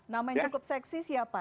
nama yang cukup seksi siapa